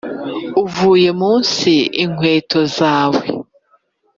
uvuye mu nsi, inkweto zawe